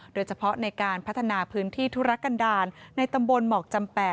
โดยเฉพาะในการพัฒนาพื้นที่ธุรกันดาลในตำบลหมอกจำ๘